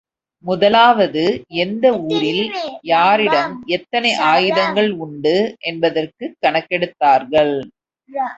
முதலாவது எந்த ஊரில், யாரிடம், எத்தனை ஆயுதங்கள் உண்டு என்பதற்குக் கணக்கெடுத்தார்கள்.